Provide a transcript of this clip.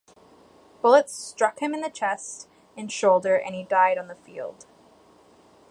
Bullets struck him in the chest and shoulder and he died on the field.